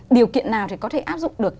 điều kiện nào thì có thể áp dụng được